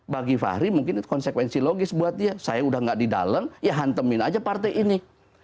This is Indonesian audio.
bagi fahri mungkin itu konsekuensi logis buat dia saya udah gak di dalam ya hantemin aja partai ini